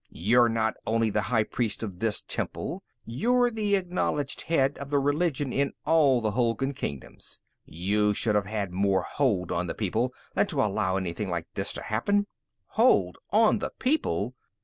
"You're not only the high priest of this temple, you're the acknowledged head of the religion in all the Hulgun kingdoms. You should have had more hold on the people than to allow anything like this to happen." "Hold on the people!"